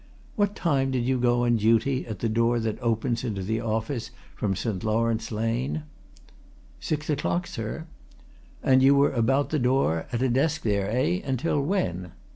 What time did you go on duty at the door that opens into the office, from St. Laurence Lane?" "Six o'clock, sir." "And you were about the door at a desk there, eh? until when?"